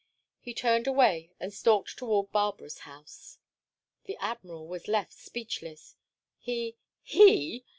He turned away and stalked towards Barbara's house. The Admiral was left speechless. He—he!